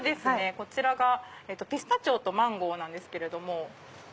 こちらがピスタチオとマンゴーなんですけれども。